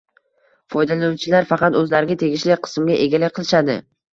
Foydalanuvchilar faqat o’zlariga tegishli qismga egalik qilishadi